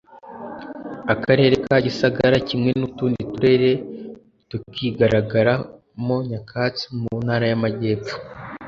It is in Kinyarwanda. Akarere ka Gisagara kimwe n’utundi turere tukigaragara mo nyakatsi mu ntara y’amajyepfo